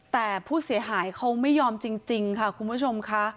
แต่ผู้เสียหายเขาไม่ยอมจริงค่ะคุณผู้ชมค่ะ